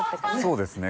そうですね